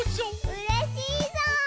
うれしいぞう！